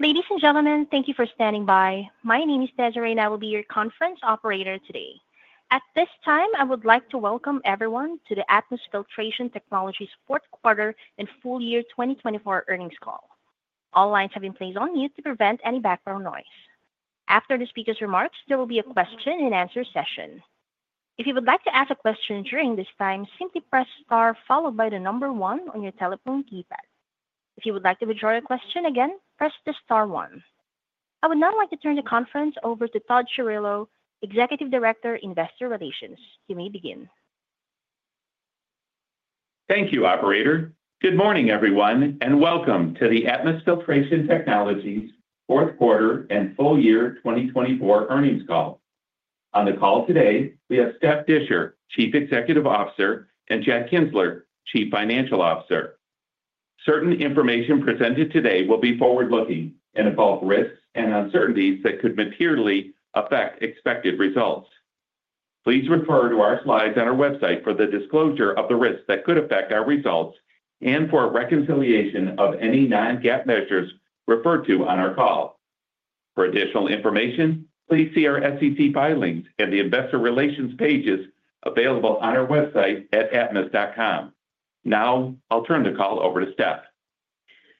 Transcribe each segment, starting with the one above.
Ladies and gentlemen, thank you for standing by. My name is Desiree, and I will be your conference operator today. At this time, I would like to welcome everyone to the Atmus Filtration Technologies Fourth Quarter and Full Year 2024 earnings call. All lines have been placed on mute to prevent any background noise. After the speakers' remarks, there will be a question-and-answer session. If you would like to ask a question during this time, simply press Star followed by the number one on your telephone keypad. If you would like to withdraw your question again, press the Star 1. I would now like to turn the conference over to Todd Chirillo, Executive Director, Investor Relations. You may begin. Thank you, Operator. Good morning, everyone, and welcome to the Atmus Filtration Technologies Fourth Quarter and Full Year 2024 earnings call. On the call today, we have Steph Disher, Chief Executive Officer, and Jack Kienzler, Chief Financial Officer. Certain information presented today will be forward-looking and involve risks and uncertainties that could materially affect expected results. Please refer to our slides on our website for the disclosure of the risks that could affect our results and for reconciliation of any non-GAAP measures referred to on our call. For additional information, please see our SEC filings and the investor relations pages available on our website at atmus.com. Now, I'll turn the call over to Steph.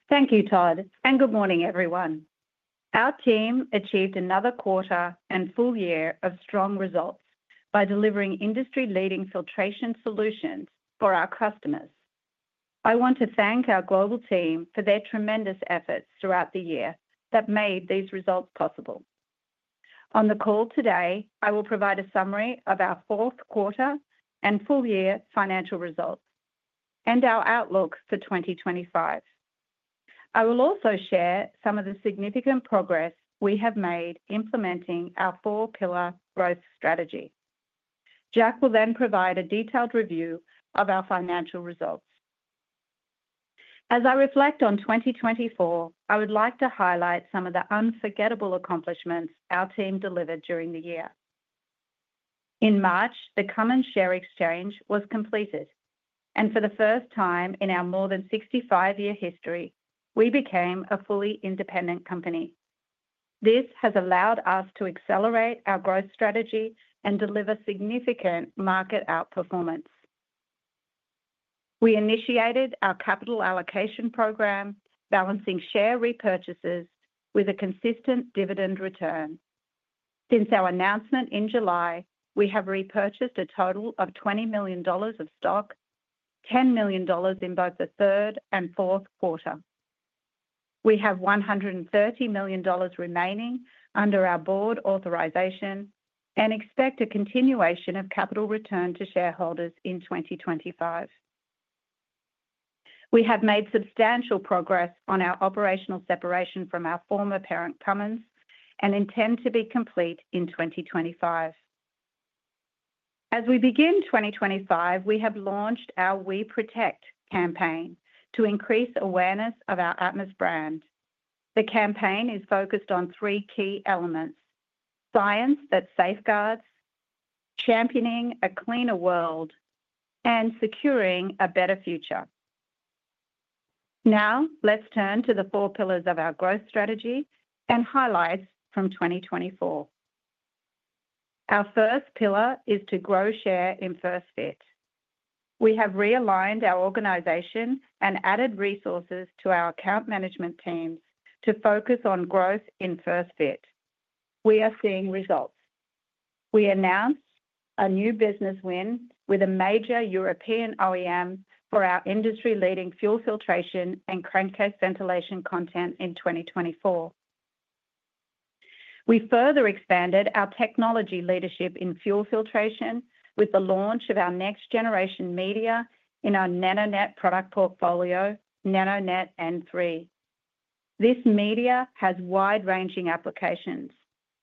Thank you, Todd, and good morning, everyone. Our team achieved another quarter and full year of strong results by delivering industry-leading filtration solutions for our customers. I want to thank our global team for their tremendous efforts throughout the year that made these results possible. On the call today, I will provide a summary of our fourth quarter and full year financial results and our outlook for 2025. I will also share some of the significant progress we have made implementing our four-pillar growth strategy. Jack will then provide a detailed review of our financial results. As I reflect on 2024, I would like to highlight some of the unforgettable accomplishments our team delivered during the year. In March, the common share exchange was completed, and for the first time in our more than 65-year history, we became a fully independent company. This has allowed us to accelerate our growth strategy and deliver significant market outperformance. We initiated our capital allocation program, balancing share repurchases with a consistent dividend return. Since our announcement in July, we have repurchased a total of $20 million of stock, $10 million in both the third and fourth quarter. We have $130 million remaining under our board authorization and expect a continuation of capital return to shareholders in 2025. We have made substantial progress on our operational separation from our former parent, Cummins, and intend to be complete in 2025. As we begin 2025, we have launched our We Protect campaign to increase awareness of our Atmus brand. The campaign is focused on three key elements: Science that Safeguards, Championing a Cleaner World, and Securing a Better Future. Now, let's turn to the four pillars of our growth strategy and highlights from 2024. Our first pillar is to grow share in first fit. We have realigned our organization and added resources to our account management teams to focus on growth in first fit. We are seeing results. We announced a new business win with a major European OEM for our industry-leading fuel filtration and crankcase ventilation content in 2024. We further expanded our technology leadership in fuel filtration with the launch of our next-generation media in our NanoNet product portfolio, NanoNet N3. This media has wide-ranging applications,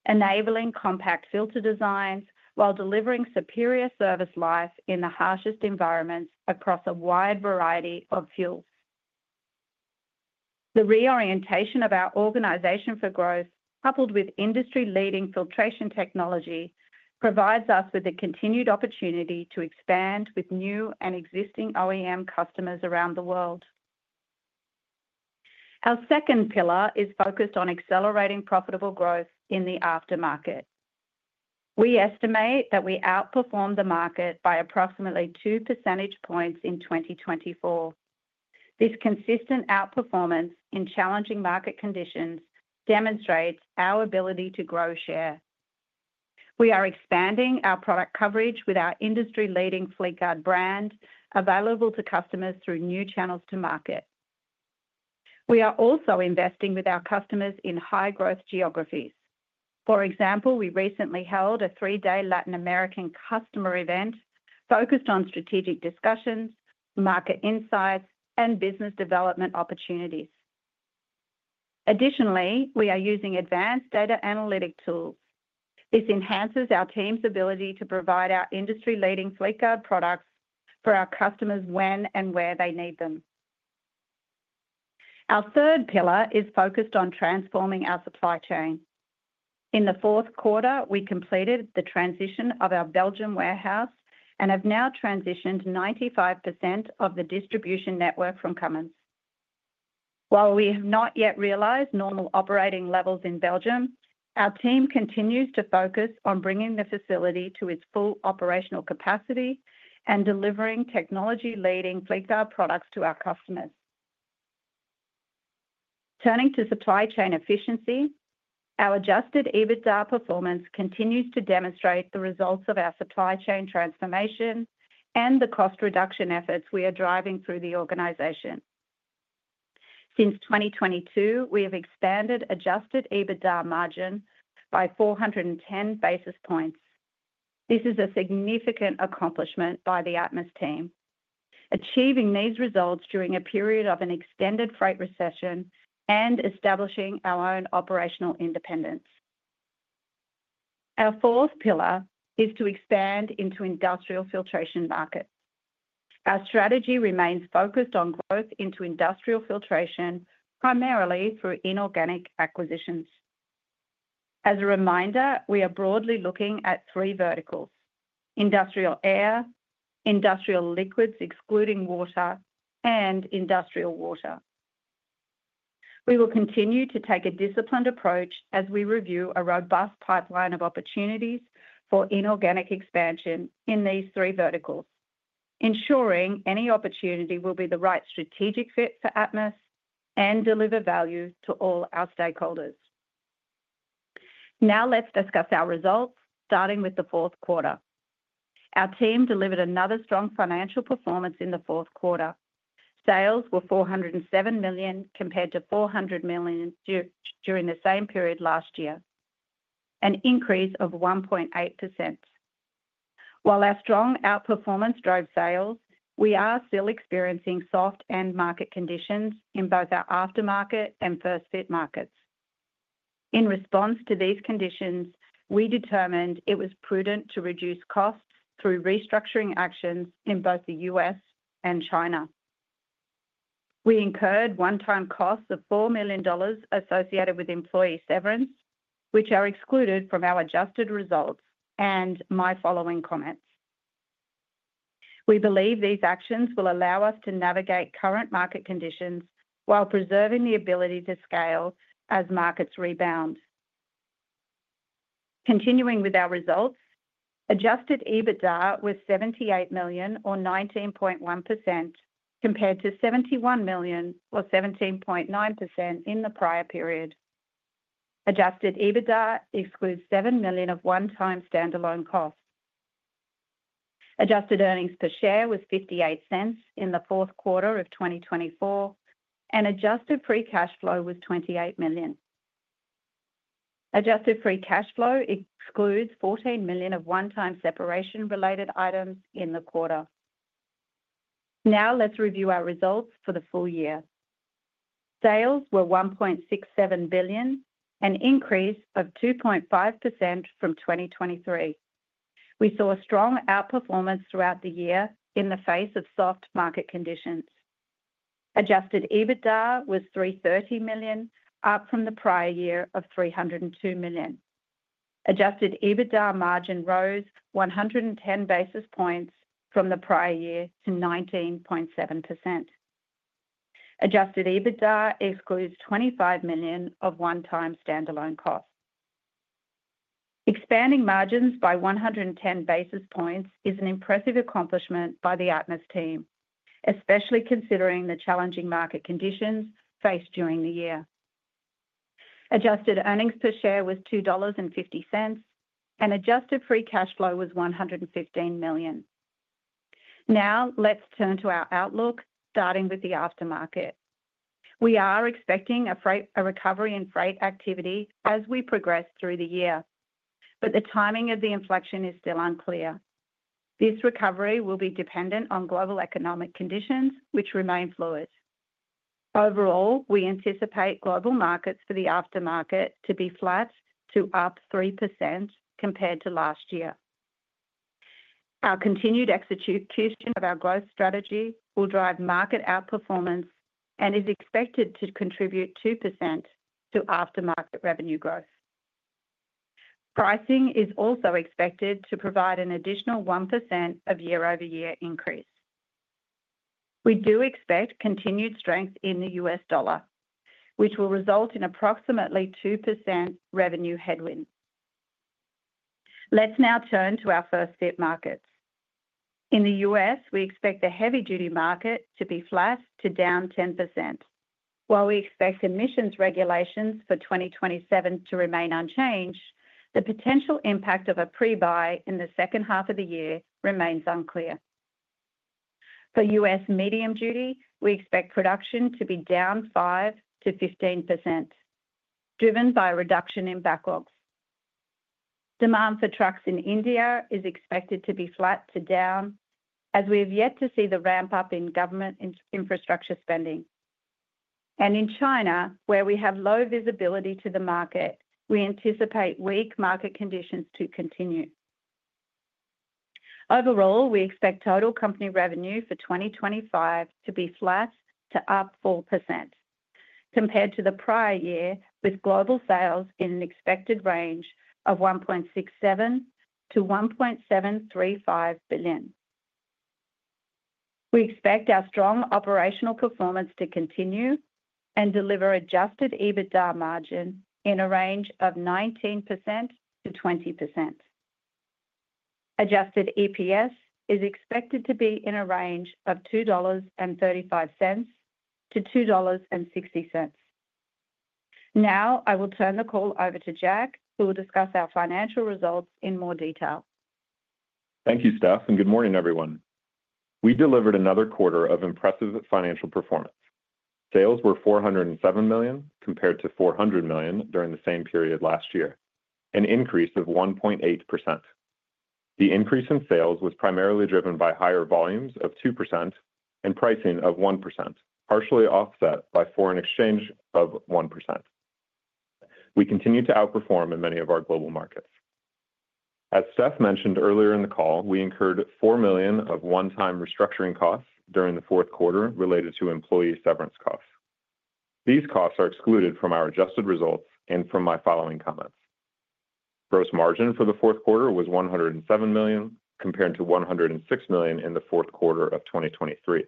enabling compact filter designs while delivering superior service life in the harshest environments across a wide variety of fuels. The reorientation of our organization for growth, coupled with industry-leading filtration technology, provides us with the continued opportunity to expand with new and existing OEM customers around the world. Our second pillar is focused on accelerating profitable growth in the aftermarket. We estimate that we outperformed the market by approximately two percentage points in 2024. This consistent outperformance in challenging market conditions demonstrates our ability to grow share. We are expanding our product coverage with our industry-leading Fleetguard brand available to customers through new channels to market. We are also investing with our customers in high-growth geographies. For example, we recently held a three-day Latin American customer event focused on strategic discussions, market insights, and business development opportunities. Additionally, we are using advanced data analytic tools. This enhances our team's ability to provide our industry-leading Fleetguard products for our customers when and where they need them. Our third pillar is focused on transforming our supply chain. In the fourth quarter, we completed the transition of our Belgian warehouse and have now transitioned 95% of the distribution network from Cummins. While we have not yet realized normal operating levels in Belgium, our team continues to focus on bringing the facility to its full operational capacity and delivering technology-leading Fleetguard products to our customers. Turning to supply chain efficiency, our Adjusted EBITDA performance continues to demonstrate the results of our supply chain transformation and the cost reduction efforts we are driving through the organization. Since 2022, we have expanded Adjusted EBITDA margin by 410 basis points. This is a significant accomplishment by the Atmus team, achieving these results during a period of an extended freight recession and establishing our own operational independence. Our fourth pillar is to expand into industrial filtration markets. Our strategy remains focused on growth into industrial filtration, primarily through inorganic acquisitions. As a reminder, we are broadly looking at three verticals: industrial air, industrial liquids excluding water, and industrial water. We will continue to take a disciplined approach as we review a robust pipeline of opportunities for inorganic expansion in these three verticals, ensuring any opportunity will be the right strategic fit for Atmus and deliver value to all our stakeholders. Now, let's discuss our results, starting with the fourth quarter. Our team delivered another strong financial performance in the fourth quarter. Sales were $407 million compared to $400 million during the same period last year, an increase of 1.8%. While our strong outperformance drove sales, we are still experiencing soft end market conditions in both our aftermarket and first fit markets. In response to these conditions, we determined it was prudent to reduce costs through restructuring actions in both the U.S. and China. We incurred one-time costs of $4 million associated with employee severance, which are excluded from our adjusted results, and my following comments. We believe these actions will allow us to navigate current market conditions while preserving the ability to scale as markets rebound. Continuing with our results, Adjusted EBITDA was $78 million, or 19.1%, compared to $71 million, or 17.9%, in the prior period. Adjusted EBITDA excludes $7 million of one-time standalone costs. Adjusted Earnings Per Share was $0.58 in the fourth quarter of 2024, and Adjusted Free Cash Flow was $28 million. Adjusted Free Cash Flow excludes $14 million of one-time separation-related items in the quarter. Now, let's review our results for the full year. Sales were $1.67 billion, an increase of 2.5% from 2023. We saw strong outperformance throughout the year in the face of soft market conditions. Adjusted EBITDA was $330 million, up from the prior year of $302 million. Adjusted EBITDA margin rose 110 basis points from the prior year to 19.7%. Adjusted EBITDA excludes $25 million of one-time standalone costs. Expanding margins by 110 basis points is an impressive accomplishment by the Atmus team, especially considering the challenging market conditions faced during the year. Adjusted Earnings Per Share was $2.50, and Adjusted Free Cash Flow was $115 million. Now, let's turn to our outlook, starting with the aftermarket. We are expecting a recovery in freight activity as we progress through the year, but the timing of the inflection is still unclear. This recovery will be dependent on global economic conditions, which remain fluid. Overall, we anticipate global markets for the aftermarket to be flat to up 3% compared to last year. Our continued execution of our growth strategy will drive market outperformance and is expected to contribute 2% to aftermarket revenue growth. Pricing is also expected to provide an additional 1% of year-over-year increase. We do expect continued strength in the U.S. dollar, which will result in approximately 2% revenue headwinds. Let's now turn to our first-fit markets. In the U.S., we expect the heavy-duty market to be flat to down 10%. While we expect emissions regulations for 2027 to remain unchanged, the potential impact of a pre-buy in the second half of the year remains unclear. For U.S. medium duty, we expect production to be down 5%-15%, driven by a reduction in backlogs. Demand for trucks in India is expected to be flat to down, as we have yet to see the ramp-up in government infrastructure spending, and in China, where we have low visibility to the market, we anticipate weak market conditions to continue. Overall, we expect total company revenue for 2025 to be flat to up 4% compared to the prior year, with global sales in an expected range of $1.67 billion-$1.735 billion. We expect our strong operational performance to continue and deliver Adjusted EBITDA margin in a range of 19%-20%. Adjusted EPS is expected to be in a range of $2.35-$2.60. Now, I will turn the call over to Jack, who will discuss our financial results in more detail. Thank you, Steph, and good morning, everyone. We delivered another quarter of impressive financial performance. Sales were $407 million compared to $400 million during the same period last year, an increase of 1.8%. The increase in sales was primarily driven by higher volumes of 2% and pricing of 1%, partially offset by foreign exchange of 1%. We continue to outperform in many of our global markets. As Steph mentioned earlier in the call, we incurred $4 million of one-time restructuring costs during the fourth quarter related to employee severance costs. These costs are excluded from our adjusted results and from my following comments. Gross margin for the fourth quarter was $107 million compared to $106 million in the fourth quarter of 2023.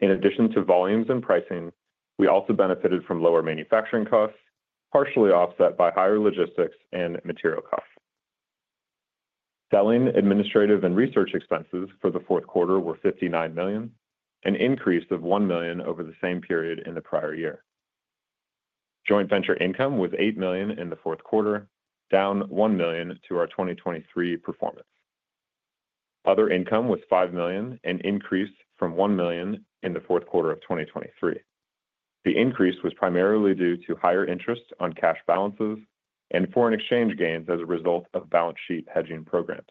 In addition to volumes and pricing, we also benefited from lower manufacturing costs, partially offset by higher logistics and material costs. Selling, administrative, and research expenses for the fourth quarter were $59 million, an increase of $1 million over the same period in the prior year. Joint venture income was $8 million in the fourth quarter, down $1 million to our 2023 performance. Other income was $5 million, an increase from $1 million in the fourth quarter of 2023. The increase was primarily due to higher interest on cash balances and foreign exchange gains as a result of balance sheet hedging programs.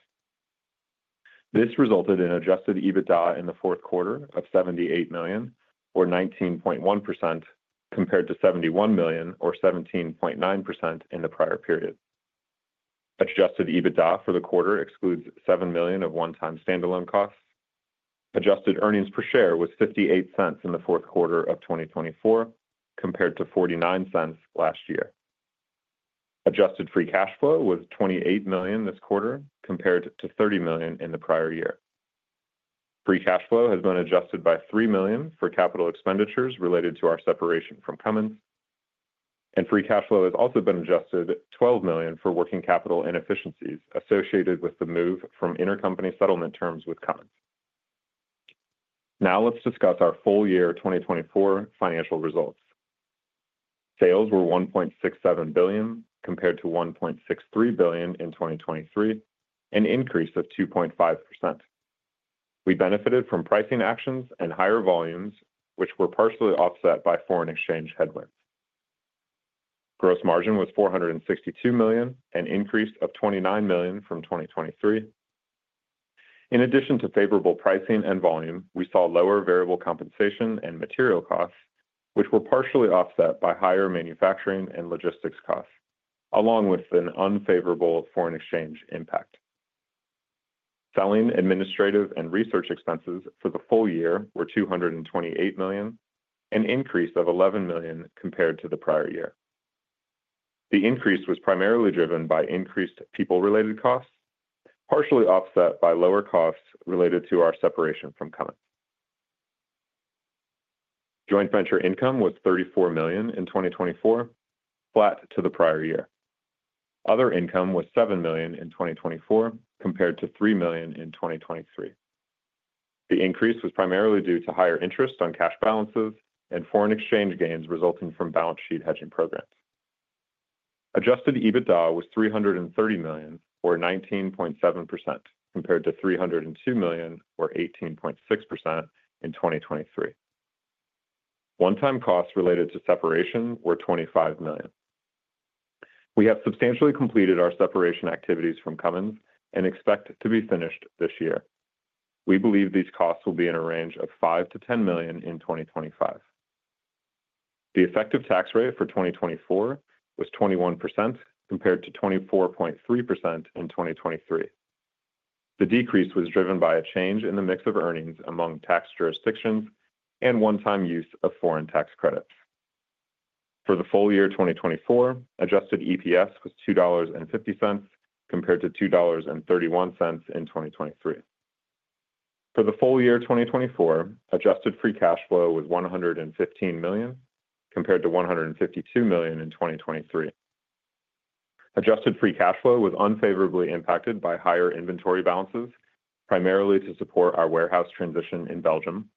This resulted in Adjusted EBITDA in the fourth quarter of $78 million, or 19.1%, compared to $71 million, or 17.9%, in the prior period. Adjusted EBITDA for the quarter excludes $7 million of one-time standalone costs. Adjusted Earnings Per Share was $0.58 in the fourth quarter of 2024, compared to $0.49 last year. Adjusted Free Cash Flow was $28 million this quarter, compared to $30 million in the prior year. Free cash flow has been adjusted by $3 million for capital expenditures related to our separation from Cummins, and free cash flow has also been adjusted $12 million for working capital inefficiencies associated with the move from intercompany settlement terms with Cummins. Now, let's discuss our full year 2024 financial results. Sales were $1.67 billion, compared to $1.63 billion in 2023, an increase of 2.5%. We benefited from pricing actions and higher volumes, which were partially offset by foreign exchange headwinds. Gross margin was $462 million, an increase of $29 million from 2023. In addition to favorable pricing and volume, we saw lower variable compensation and material costs, which were partially offset by higher manufacturing and logistics costs, along with an unfavorable foreign exchange impact. Selling, administrative, and research expenses for the full year were $228 million, an increase of $11 million compared to the prior year. The increase was primarily driven by increased people-related costs, partially offset by lower costs related to our separation from Cummins. Joint venture income was $34 million in 2024, flat to the prior year. Other income was $7 million in 2024, compared to $3 million in 2023. The increase was primarily due to higher interest on cash balances and foreign exchange gains resulting from balance sheet hedging programs. Adjusted EBITDA was $330 million, or 19.7%, compared to $302 million, or 18.6%, in 2023. One-time costs related to separation were $25 million. We have substantially completed our separation activities from Cummins and expect to be finished this year. We believe these costs will be in a range of $5 million-$10 million in 2025. The effective tax rate for 2024 was 21%, compared to 24.3% in 2023. The decrease was driven by a change in the mix of earnings among tax jurisdictions and one-time use of foreign tax credits. For the full year 2024, adjusted EPS was $2.50, compared to $2.31 in 2023. For the full year 2024, Adjusted Free Cash Flow was $115 million, compared to $152 million in 2023. Adjusted Free Cash Flow was unfavorably impacted by higher inventory balances, primarily to support our warehouse transition in Belgium,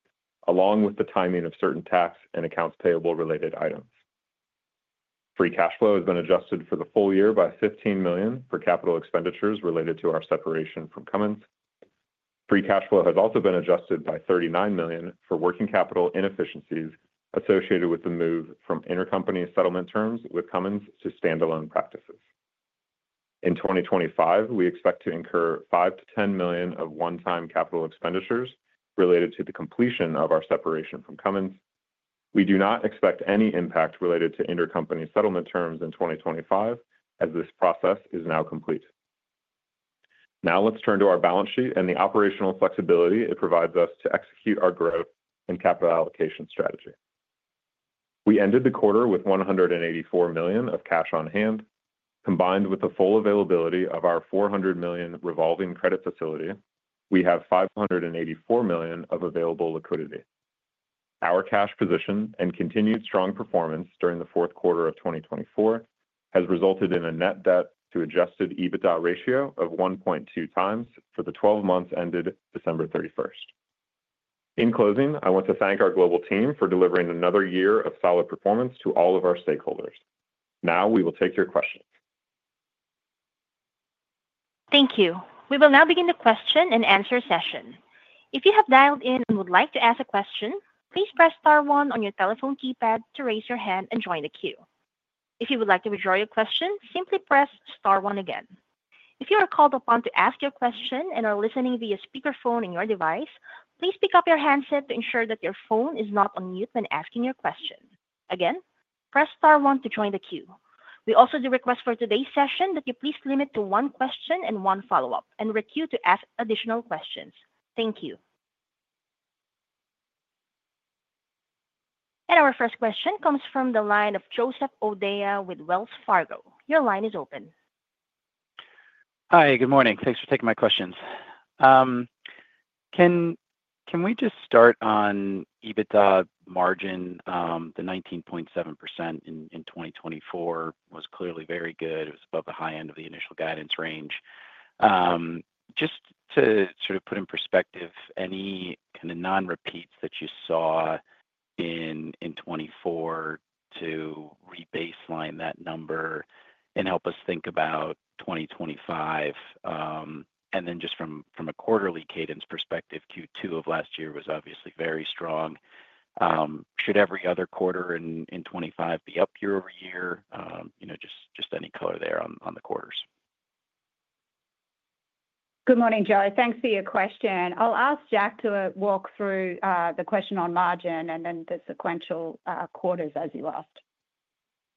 along with the timing of certain tax and accounts payable-related items. Free cash flow has been adjusted for the full year by $15 million for capital expenditures related to our separation from Cummins. Free cash flow has also been adjusted by $39 million for working capital inefficiencies associated with the move from intercompany settlement terms with Cummins to standalone practices. In 2025, we expect to incur $5 million-$10 million of one-time capital expenditures related to the completion of our separation from Cummins. We do not expect any impact related to intercompany settlement terms in 2025, as this process is now complete. Now, let's turn to our balance sheet and the operational flexibility it provides us to execute our growth and capital allocation strategy. We ended the quarter with $184 million of cash on hand. Combined with the full availability of our $400 million revolving credit facility, we have $584 million of available liquidity. Our cash position and continued strong performance during the fourth quarter of 2024 has resulted in a net debt-to-Adjusted EBITDA ratio of 1.2x for the 12 months ended December 31st. In closing, I want to thank our global team for delivering another year of solid performance to all of our stakeholders. Now, we will take your questions. Thank you. We will now begin the question and answer session. If you have dialed in and would like to ask a question, please press Star 1 on your telephone keypad to raise your hand and join the queue. If you would like to withdraw your question, simply press star 1 again. If you are called upon to ask your question and are listening via speakerphone on your device, please pick up your handset to ensure that your phone is not on mute when asking your question. Again, press Star 1 to join the queue. We also do request for today's session that you please limit to one question and one follow-up and requeue to ask additional questions. Thank you. And our first question comes from the line of Joseph O'Dea with Wells Fargo. Your line is open. Hi, good morning. Thanks for taking my questions. Can we just start on EBITDA margin? The 19.7% in 2024 was clearly very good. It was above the high end of the initial guidance range. Just to sort of put in perspective, any kind of non-repeats that you saw in 2024 to re-baseline that number and help us think about 2025? And then just from a quarterly cadence perspective, Q2 of last year was obviously very strong. Should every other quarter in 2025 be up year over year? Just any color there on the quarters. Good morning, Joe. Thanks for your question. I'll ask Jack to walk through the question on margin and then the sequential quarters as you asked.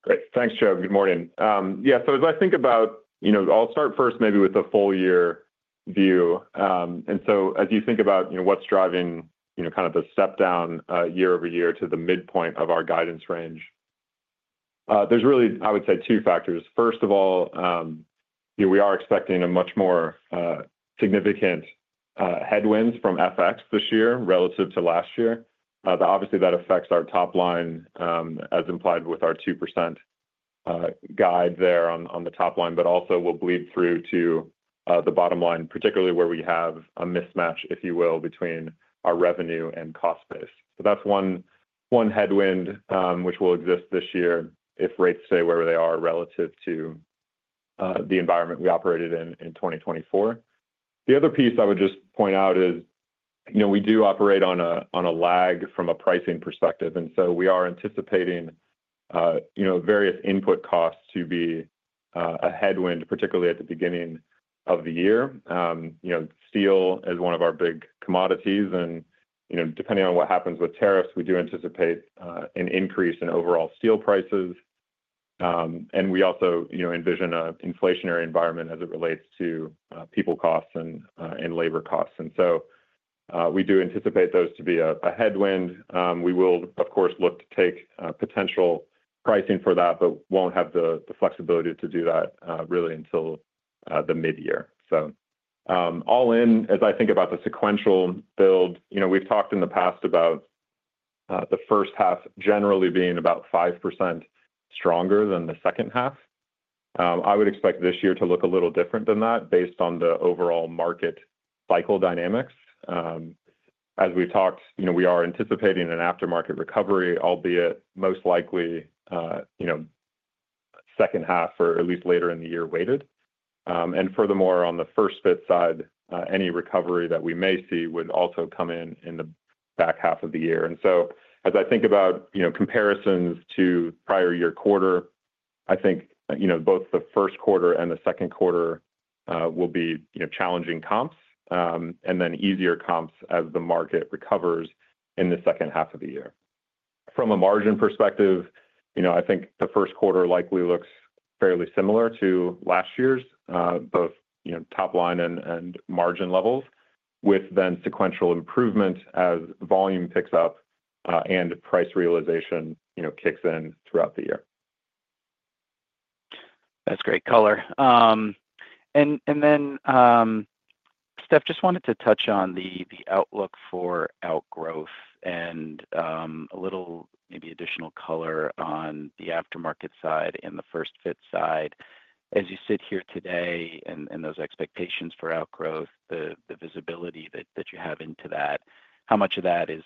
Great. Thanks, Joe. Good morning. Yeah, so as I think about, I'll start first maybe with the full-year view. And so as you think about what's driving kind of the step-down year over year to the midpoint of our guidance range, there's really, I would say, two factors. First of all, we are expecting a much more significant headwinds from FX this year relative to last year. Obviously, that affects our top line, as implied with our 2% guide there on the top line, but also will bleed through to the bottom line, particularly where we have a mismatch, if you will, between our revenue and cost base. So that's one headwind which will exist this year if rates stay where they are relative to the environment we operated in 2024. The other piece I would just point out is we do operate on a lag from a pricing perspective. And so we are anticipating various input costs to be a headwind, particularly at the beginning of the year. Steel is one of our big commodities. And depending on what happens with tariffs, we do anticipate an increase in overall steel prices. And we also envision an inflationary environment as it relates to people costs and labor costs. So we do anticipate those to be a headwind. We will, of course, look to take potential pricing for that, but won't have the flexibility to do that really until the mid-year. So all in, as I think about the sequential build, we've talked in the past about the first half generally being about 5% stronger than the second half. I would expect this year to look a little different than that based on the overall market cycle dynamics. As we've talked, we are anticipating an aftermarket recovery, albeit most likely second half or at least later in the year weighted. And furthermore, on the first fit side, any recovery that we may see would also come in in the back half of the year. And so as I think about comparisons to prior year quarter, I think both the first quarter and the second quarter will be challenging comps and then easier comps as the market recovers in the second half of the year. From a margin perspective, I think the first quarter likely looks fairly similar to last year's, both top line and margin levels, with then sequential improvement as volume picks up and price realization kicks in throughout the year. That's great color. And then Steph just wanted to touch on the outlook for outgrowth and a little maybe additional color on the aftermarket side and the first-fit side. As you sit here today and those expectations for outgrowth, the visibility that you have into that, how much of that is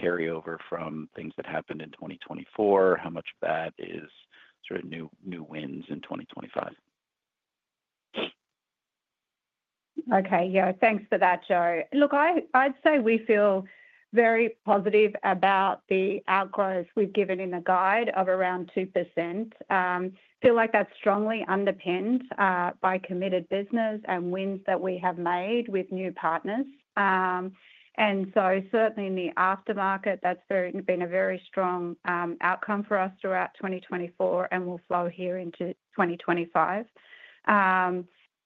carryover from things that happened in 2024? How much of that is sort of new wins in 2025? Okay. Yeah. Thanks for that, Joe. Look, I'd say we feel very positive about the outlook we've given in the guide of around 2%. I feel like that's strongly underpinned by committed business and wins that we have made with new partners. And so certainly in the aftermarket, that's been a very strong outcome for us throughout 2024 and will flow here into 2025.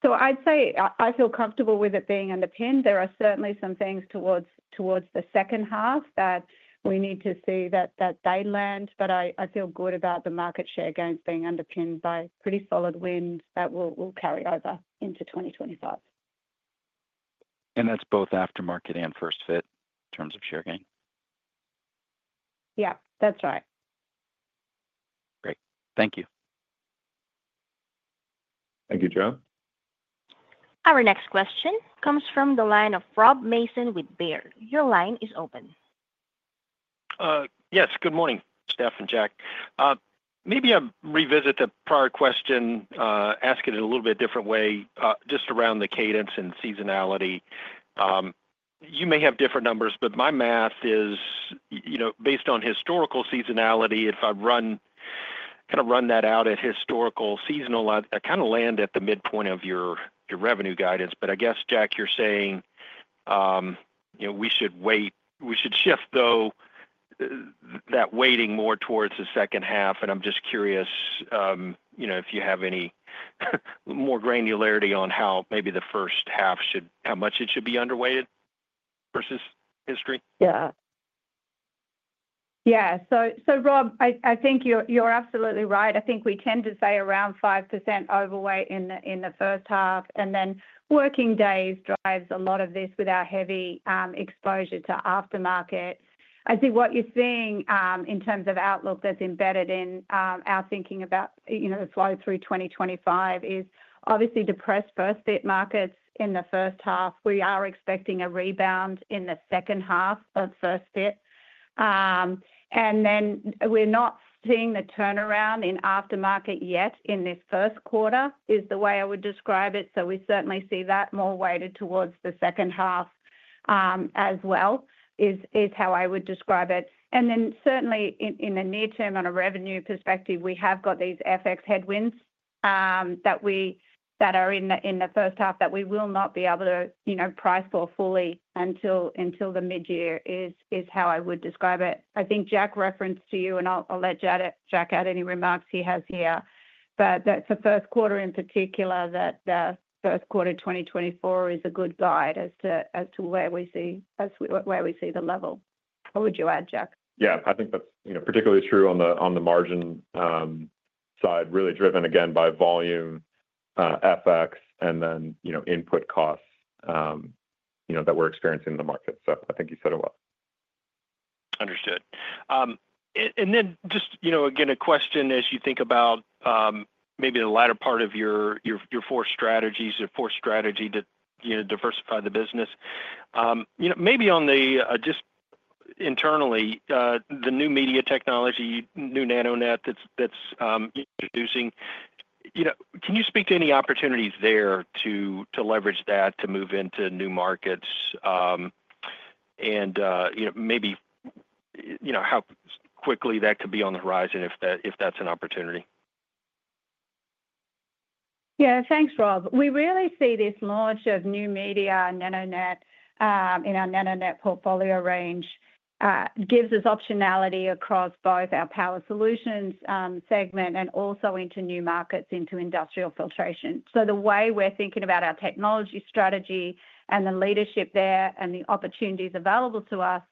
So I'd say I feel comfortable with it being underpinned. There are certainly some things towards the second half that we need to see play out, but I feel good about the market share gains being underpinned by pretty solid wins that will carry over into 2025. And that's both aftermarket and first fit in terms of share gain? Yeah, that's right. Great. Thank you. Thank you, Joe. Our next question comes from the line of Rob Mason with Baird. Your line is open. Yes. Good morning, Steph and Jack. Maybe I'll revisit the prior question, ask it in a little bit different way, just around the cadence and seasonality. You may have different numbers, but my math is based on historical seasonality. If I kind of run that out at historical seasonal, I kind of land at the midpoint of your revenue guidance. But I guess, Jack, you're saying we should shift though that weighting more towards the second half. And I'm just curious if you have any more granularity on how maybe the first half should, how much it should be underweighted versus history. Yeah. Yeah. So Rob, I think you're absolutely right. I think we tend to say around 5% overweight in the first half. And then working days drives a lot of this with our heavy exposure to aftermarket. I think what you're seeing in terms of outlook that's embedded in our thinking about the flow through 2025 is obviously depressed first fit markets in the first half. We are expecting a rebound in the second half of first fit. And then we're not seeing the turnaround in aftermarket yet in this first quarter is the way I would describe it. So we certainly see that more weighted towards the second half as well is how I would describe it. And then certainly in the near term on a revenue perspective, we have got these FX headwinds that are in the first half that we will not be able to price for fully until the mid-year is how I would describe it. I think Jack referenced to you, and I'll let Jack add any remarks he has here. But that's the first quarter in particular. The first quarter 2024 is a good guide as to where we see the level. What would you add, Jack? Yeah. I think that's particularly true on the margin side, really driven again by volume, FX, and then input costs that we're experiencing in the market. So I think you said it well. Understood. And then just again, a question as you think about maybe the latter part of your four strategies, your fourth strategy to diversify the business. Maybe on the just internally, the new media technology, new NanoNet that's introducing, can you speak to any opportunities there to leverage that to move into new markets? And maybe how quickly that could be on the horizon if that's an opportunity. Yeah. Thanks, Rob. We really see this launch of new media and NanoNet in our NanoNet portfolio range gives us optionality across both our power solutions segment and also into new markets into industrial filtration. So the way we're thinking about our technology strategy and the leadership there and the opportunities available to us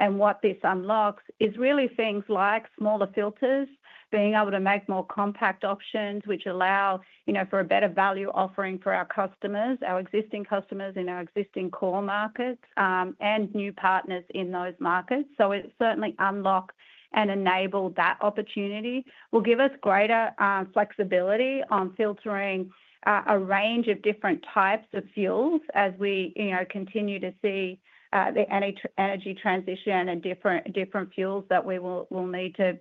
and what this unlocks is really things like smaller filters, being able to make more compact options, which allow for a better value offering for our customers, our existing customers in our existing core markets, and new partners in those markets. So it certainly unlocks and enables that opportunity. It will give us greater flexibility on filtering a range of different types of fuels as we continue to see the energy transition and different fuels that we will need to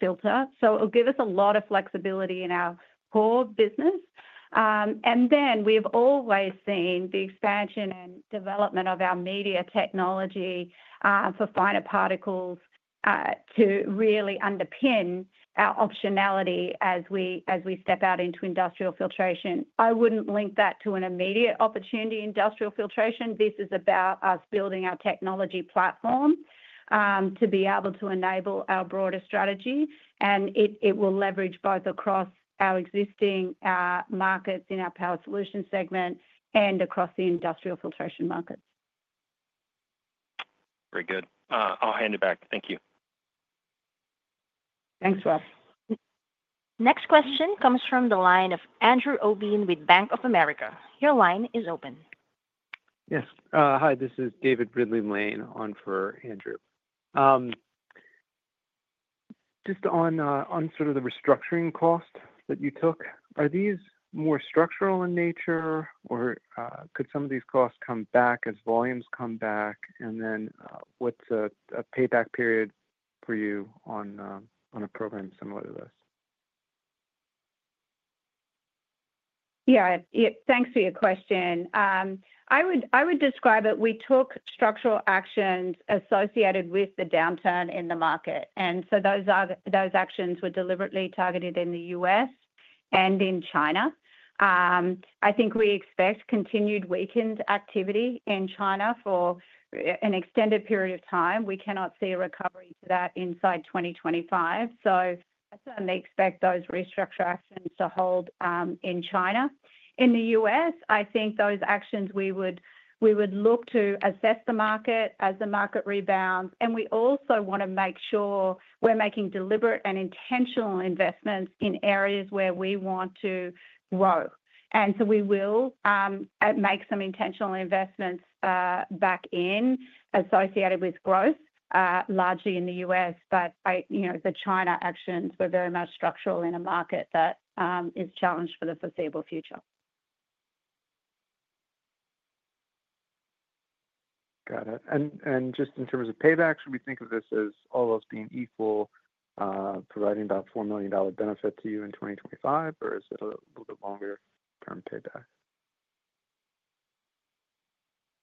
filter. So it will give us a lot of flexibility in our core business. And then we've always seen the expansion and development of our media technology for finer particles to really underpin our optionality as we step out into industrial filtration. I wouldn't link that to an immediate opportunity in industrial filtration. This is about us building our technology platform to be able to enable our broader strategy. And it will leverage both across our existing markets in our power solution segment and across the industrial filtration markets. Very good. I'll hand it back. Thank you. Thanks, Rob. Next question comes from the line of Andrew Obin with Bank of America. Your line is open. Yes. Hi, this is David Ridley-Lane on for Andrew. Just on sort of the restructuring costs that you took, are these more structural in nature, or could some of these costs come back as volumes come back? And then what's a payback period for you on a program similar to this? Yeah. Thanks for your question. I would describe it. We took structural actions associated with the downturn in the market. And so those actions were deliberately targeted in the U.S. and in China. I think we expect continued weakened activity in China for an extended period of time. We cannot see a recovery to that inside 2025. So I certainly expect those restructure actions to hold in China. In the U.S., I think those actions we would look to assess the market as the market rebounds. And we also want to make sure we're making deliberate and intentional investments in areas where we want to grow. And so we will make some intentional investments back in associated with growth, largely in the U.S. But the China actions were very much structural in a market that is challenged for the foreseeable future. Got it. And just in terms of payback, should we think of this as all those being equal, providing about $4 million benefit to you in 2025, or is it a little bit longer-term payback?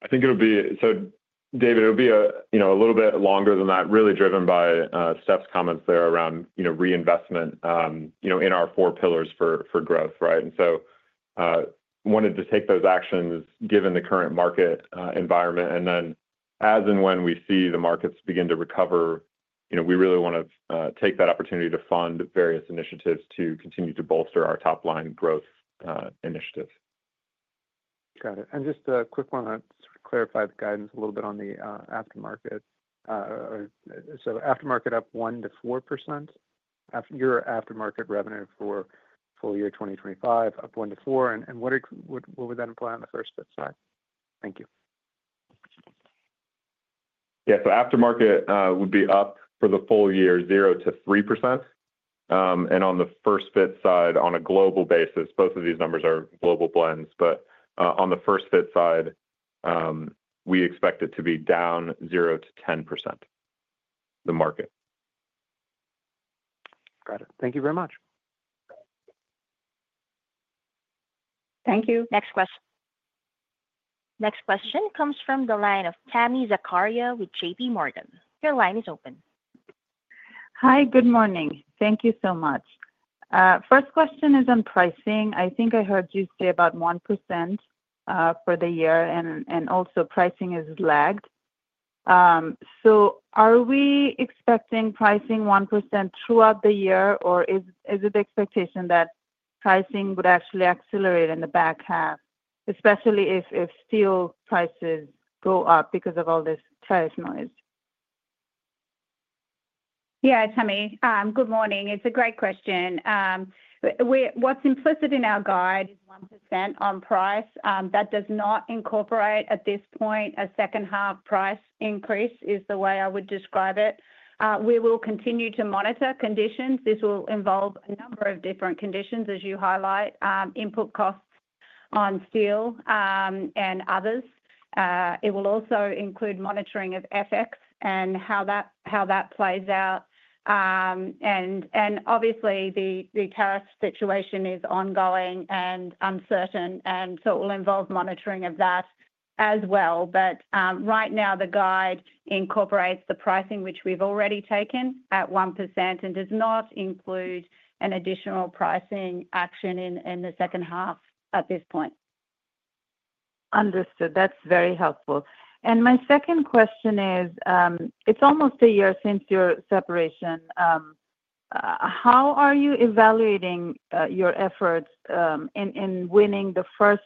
I think it would be, so David, it would be a little bit longer than that, really driven by Steph's comments there around reinvestment in our four pillars for growth, right? And so wanted to take those actions given the current market environment. And then as and when we see the markets begin to recover, we really want to take that opportunity to fund various initiatives to continue to bolster our top-line growth initiatives. Got it. And just a quick one to sort of clarify the guidance a little bit on the aftermarket. Aftermarket up 1%-4%, your aftermarket revenue for full year 2025 up 1%-4%. And what would that imply on the first fit side? Thank you. Yeah. So aftermarket would be up for the full year 0%-3%. And on the first fit side, on a global basis, both of these numbers are global blends. But on the first fit side, we expect it to be down 0%-10%, the market. Got it. Thank you very much. Thank you. Next question. Next question comes from the line of Tami Zakaria with JPMorgan. Your line is open. Hi. Good morning. Thank you so much. First question is on pricing. I think I heard you say about 1% for the year, and also pricing is lagged. So are we expecting pricing 1% throughout the year, or is it the expectation that pricing would actually accelerate in the back half, especially if steel prices go up because of all this tariff noise? Yeah, Tami. Good morning. It's a great question. What's implicit in our guide is 1% on price. That does not incorporate at this point a second-half price increase, is the way I would describe it. We will continue to monitor conditions. This will involve a number of different conditions, as you highlight, input costs on steel and others. It will also include monitoring of FX and how that plays out. And obviously, the tariff situation is ongoing and uncertain. And so it will involve monitoring of that as well. But right now, the guide incorporates the pricing, which we've already taken at 1%, and does not include an additional pricing action in the second half at this point. Understood. That's very helpful. And my second question is, it's almost a year since your separation. How are you evaluating your efforts in winning the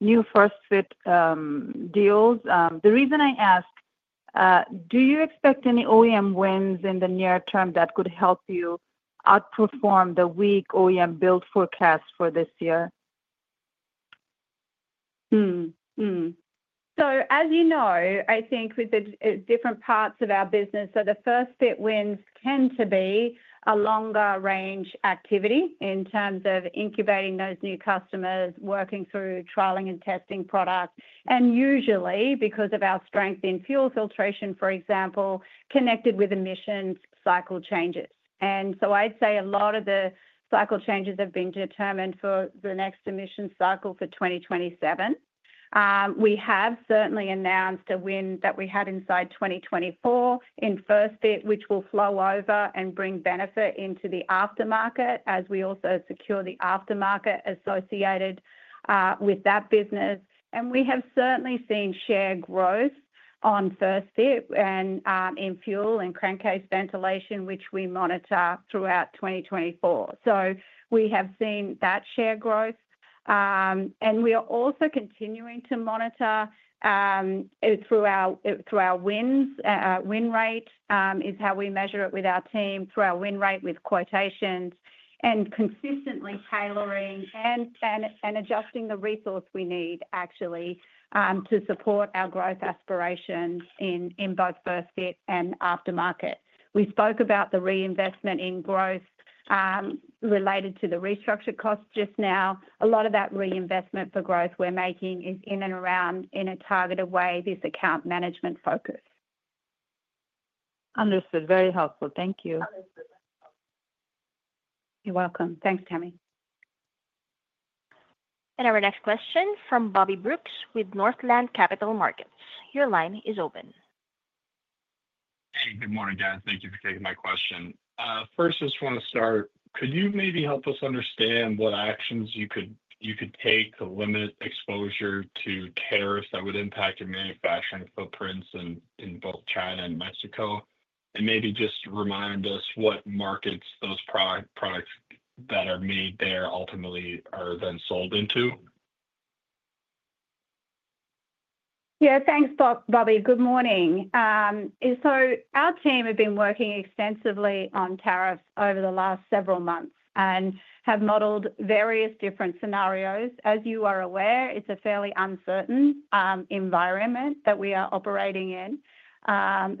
new first-fit deals? The reason I ask. Do you expect any OEM wins in the near term that could help you outperform the weak OEM build forecast for this year? So as you know, I think with the different parts of our business, so the first-fit wins tend to be a longer-range activity in terms of incubating those new customers, working through trialing and testing products. And usually, because of our strength in fuel filtration, for example, connected with emissions cycle changes. And so I'd say a lot of the cycle changes have been determined for the next emission cycle for 2027. We have certainly announced a win that we had in 2024 in first-fit, which will flow over and bring benefit into the aftermarket as we also secure the aftermarket associated with that business, and we have certainly seen share growth on first-fit and in fuel and crankcase ventilation, which we monitor throughout 2024, so we have seen that share growth, and we are also continuing to monitor through our win rate, which is how we measure it with our team, through our win rate with quotations, and consistently tailoring and adjusting the resource we need, actually, to support our growth aspirations in both first-fit and aftermarket. We spoke about the reinvestment in growth related to the restructure costs just now. A lot of that reinvestment for growth we're making is in and around in a targeted way, this account management focus. Understood. Very helpful. Thank you. You're welcome. Thanks, Tami. Our next question from Bobby Brooks with Northland Capital Markets. Your line is open. Hey, good morning, Team. Thank you for taking my question. First, I just want to start. Could you maybe help us understand what actions you could take to limit exposure to tariffs that would impact your manufacturing footprints in both China and Mexico? And maybe just remind us what markets those products that are made there ultimately are then sold into. Yeah. Thanks, Bobby. Good morning. So our team has been working extensively on tariffs over the last several months and have modeled various different scenarios. As you are aware, it's a fairly uncertain environment that we are operating in.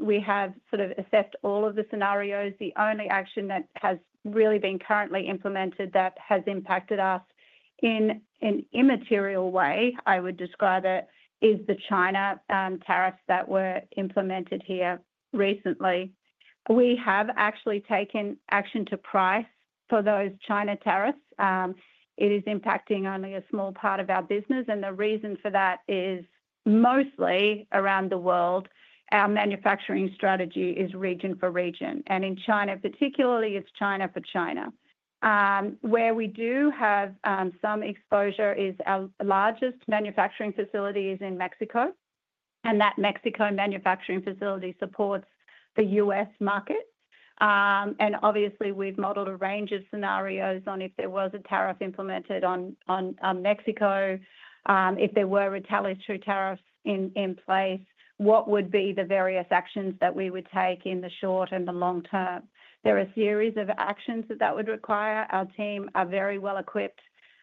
We have sort of assessed all of the scenarios. The only action that has really been currently implemented that has impacted us in an immaterial way, I would describe it, is the China tariffs that were implemented here recently. We have actually taken action to price for those China tariffs. It is impacting only a small part of our business. And the reason for that is mostly around the world, our manufacturing strategy is region for region. And in China, particularly, it's China for China. Where we do have some exposure is our largest manufacturing facility is in Mexico. And that Mexico manufacturing facility supports the U.S. market. And obviously, we've modeled a range of scenarios on if there was a tariff implemented on Mexico, if there were retaliatory tariffs in place, what would be the various actions that we would take in the short and the long term. There are a series of actions that would require. Our team are very well equipped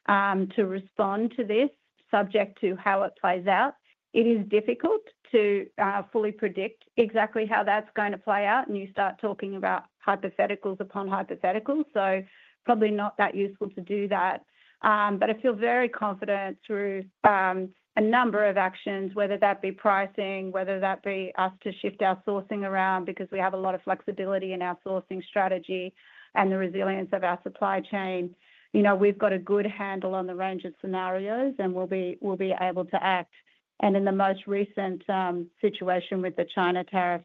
to respond to this, subject to how it plays out. It is difficult to fully predict exactly how that's going to play out. And you start talking about hypotheticals upon hypotheticals. So probably not that useful to do that. But I feel very confident through a number of actions, whether that be pricing, whether that be us to shift our sourcing around because we have a lot of flexibility in our sourcing strategy and the resilience of our supply chain. We've got a good handle on the range of scenarios, and we'll be able to act. And in the most recent situation with the China tariff,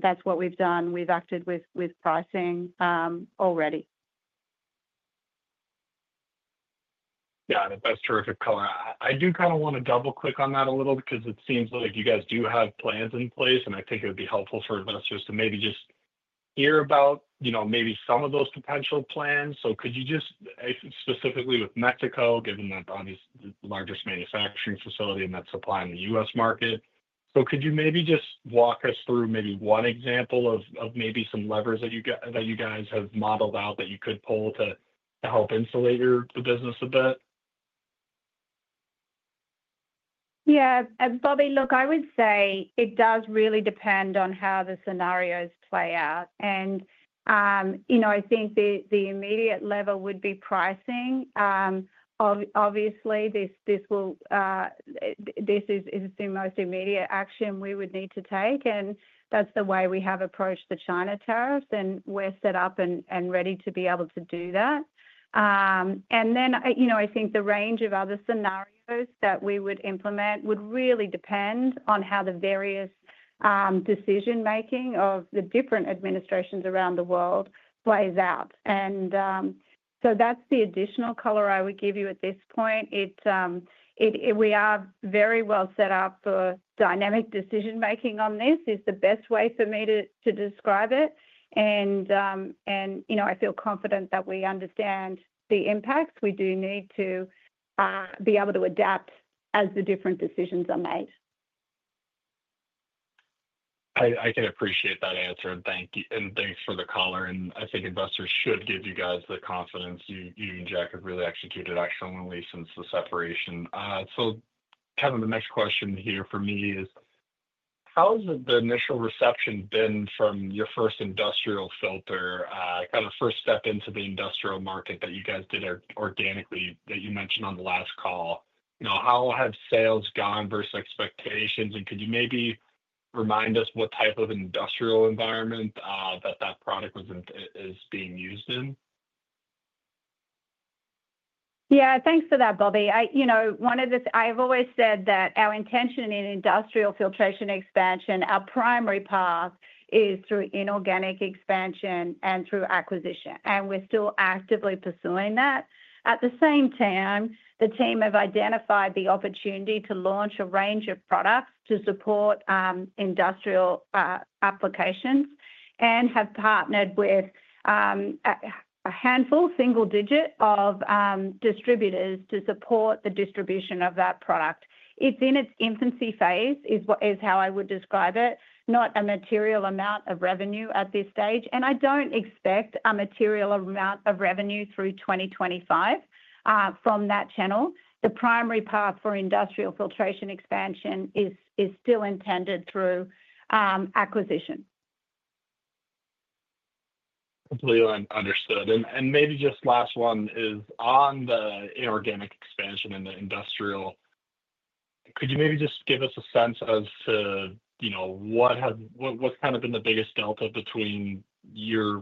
that's what we've done. We've acted with pricing already. Yeah. That's terrific, Colin. I do kind of want to double-click on that a little because it seems like you guys do have plans in place. And I think it would be helpful for investors to maybe just hear about maybe some of those potential plans. So could you just specifically with Mexico, given that Mexico's the largest manufacturing facility and that's supplying the U.S. market? So could you maybe just walk us through maybe one example of maybe some levers that you guys have modeled out that you could pull to help insulate the business a bit? Yeah. Bobby, look, I would say it does really depend on how the scenarios play out. And I think the immediate level would be pricing. Obviously, this is the most immediate action we would need to take. And that's the way we have approached the China tariffs. And we're set up and ready to be able to do that. And then I think the range of other scenarios that we would implement would really depend on how the various decision-making of the different administrations around the world plays out. And so that's the additional color I would give you at this point. We are very well set up for dynamic decision-making on this is the best way for me to describe it. And I feel confident that we understand the impacts. We do need to be able to adapt as the different decisions are made. I can appreciate that answer. And thanks for the color. And I think investors should give you guys the confidence you and Jack have really executed excellently since the separation. So kind of the next question here for me is, how has the initial reception been from your first industrial filter, kind of first step into the industrial market that you guys did organically that you mentioned on the last call? How have sales gone versus expectations? And could you maybe remind us what type of industrial environment that that product is being used in? Yeah. Thanks for that, Bobby. I've always said that our intention in industrial filtration expansion, our primary path, is through inorganic expansion and through acquisition. And we're still actively pursuing that. At the same time, the team have identified the opportunity to launch a range of products to support industrial applications and have partnered with a handful, single-digit of distributors to support the distribution of that product. It's in its infancy phase, is how I would describe it, not a material amount of revenue at this stage. And I don't expect a material amount of revenue through 2025 from that channel. The primary path for industrial filtration expansion is still intended through acquisition. Completely understood. And maybe just last one is on the inorganic expansion and the industrial, could you maybe just give us a sense as to what's kind of been the biggest delta between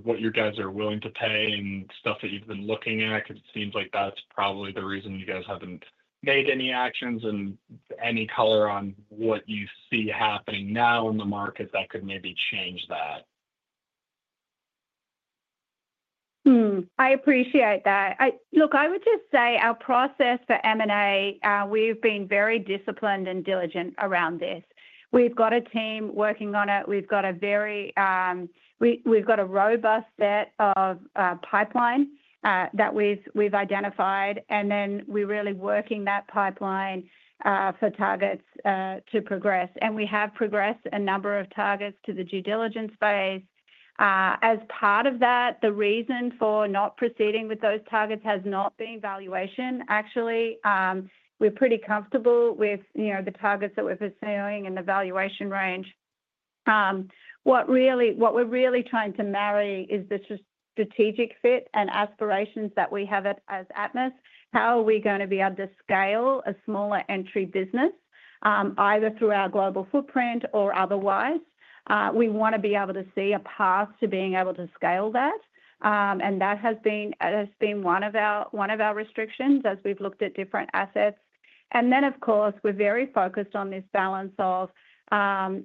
what you guys are willing to pay and stuff that you've been looking at? Because it seems like that's probably the reason you guys haven't made any actions and any color on what you see happening now in the market that could maybe change that. I appreciate that. Look, I would just say our process for M&A. We've been very disciplined and diligent around this. We've got a team working on it. We've got a very robust set of pipeline that we've identified. And then we're really working that pipeline for targets to progress. And we have progressed a number of targets to the due diligence phase. As part of that, the reason for not proceeding with those targets has not been valuation. Actually, we're pretty comfortable with the targets that we're pursuing and the valuation range. What we're really trying to marry is the strategic fit and aspirations that we have as Atmus. How are we going to be able to scale a smaller entry business, either through our global footprint or otherwise? We want to be able to see a path to being able to scale that. And that has been one of our restrictions as we've looked at different assets. And then, of course, we're very focused on this balance of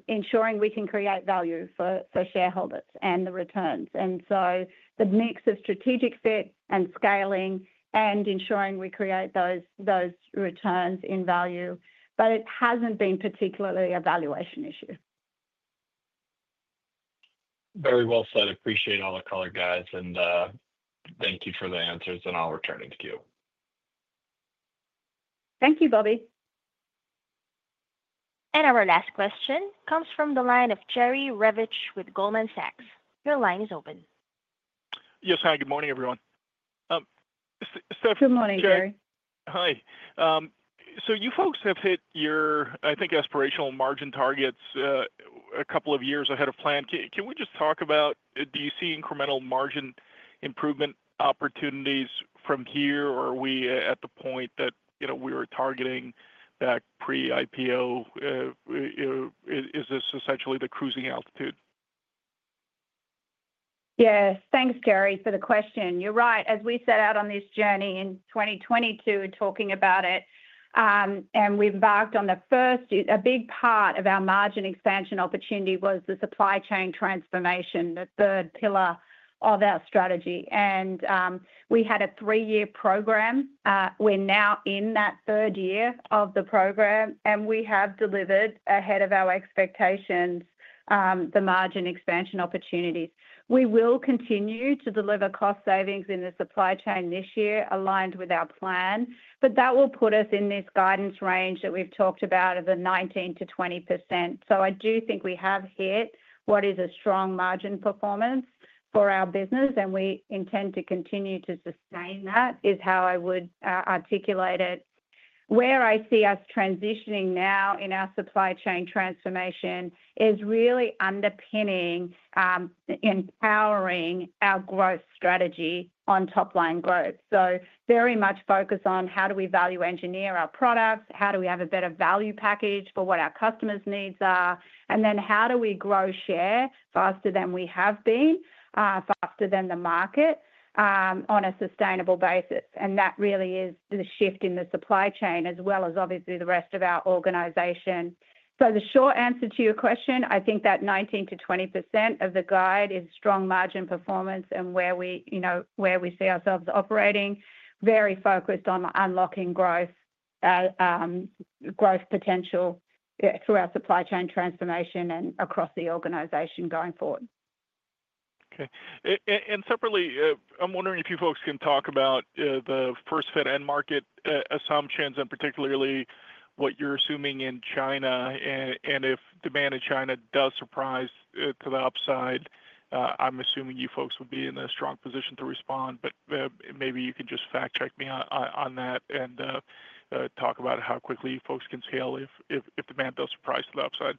ensuring we can create value for shareholders and the returns. And so the mix of strategic fit and scaling and ensuring we create those returns in value. But it hasn't been particularly a valuation issue. Very well said. Appreciate all the color, guys. And thank you for the answers. And I'll return it to you. Thank you, Bobby. And our last question comes from the line of Jerry Revich with Goldman Sachs. Your line is open. Yes, hi. Good morning, everyone. Good morning, Jerry. Hi. So you folks have hit your, I think, aspirational margin targets a couple of years ahead of plan. Can we just talk about, do you see incremental margin improvement opportunities from here, or are we at the point that we were targeting that pre-IPO? Is this essentially the cruising altitude? Yes. Thanks, Jerry, for the question. You're right. As we set out on this journey in 2022 talking about it, and we've embarked on the first, a big part of our margin expansion opportunity was the supply chain transformation, the third pillar of our strategy, and we had a three-year program. We're now in that third year of the program, and we have delivered ahead of our expectations, the margin expansion opportunities. We will continue to deliver cost savings in the supply chain this year, aligned with our plan, but that will put us in this guidance range that we've talked about of the 19%-20%. So I do think we have hit what is a strong margin performance for our business, and we intend to continue to sustain that, is how I would articulate it. Where I see us transitioning now in our supply chain transformation is really underpinning, empowering our growth strategy on top-line growth. So very much focus on how do we value engineer our products, how do we have a better value package for what our customers' needs are, and then how do we grow share faster than we have been, faster than the market on a sustainable basis. And that really is the shift in the supply chain, as well as obviously the rest of our organization. So the short answer to your question, I think that 19%-20% of the guide is strong margin performance and where we see ourselves operating, very focused on unlocking growth potential through our supply chain transformation and across the organization going forward. Okay. Separately, I'm wondering if you folks can talk about the first-fit end market assumptions and particularly what you're assuming in China. If demand in China does surprise to the upside, I'm assuming you folks would be in a strong position to respond. Maybe you can just fact-check me on that and talk about how quickly you folks can scale if demand does surprise to the upside.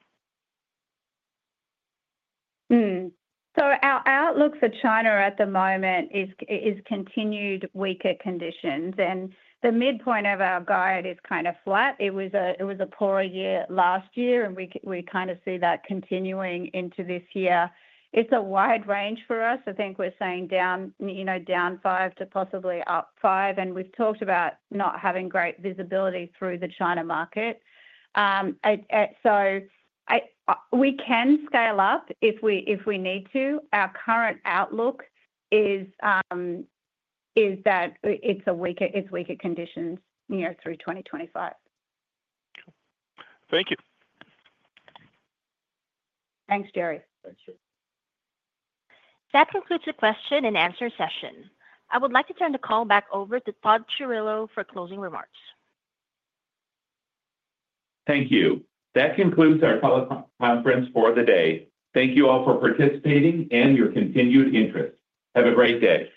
Our outlook for China at the moment is continued weaker conditions. The midpoint of our guide is kind of flat. It was a poorer year last year, and we kind of see that continuing into this year. It's a wide range for us. I think we're saying down five to possibly up five. We've talked about not having great visibility through the China market. We can scale up if we need to. Our current outlook is that it's weaker conditions through 2025. Thank you. Thanks, Jerry. That concludes the question and answer session. I would like to turn the call back over to Todd Chirillo for closing remarks. Thank you. That concludes our teleconference for the day. Thank you all for participating and your continued interest. Have a great day.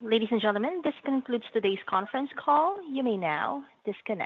Ladies and gentlemen, this concludes today's conference call. You may now disconnect.